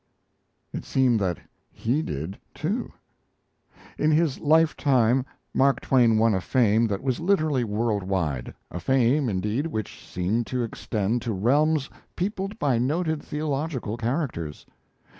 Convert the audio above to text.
It seemed that "he" did, too! In his lifetime Mark Twain won a fame that was literally world wide a fame, indeed, which seemed to extend to realms peopled by noted theological characters.